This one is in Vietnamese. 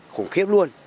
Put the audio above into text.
khủng khiếp luôn